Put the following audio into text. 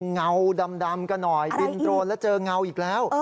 เงาดำกันหน่อยบินโดรนแล้วเจอเงาอีกแล้ว